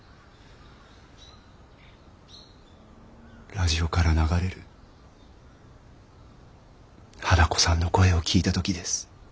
ラジオから流れる花子さんの声を聞いた時です。